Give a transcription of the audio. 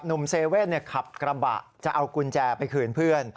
เว่นขับกระบะจะเอากุญแจไปคืนเพื่อน